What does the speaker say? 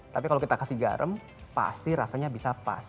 tapi kalau kita kasih garam pasti rasanya bisa pas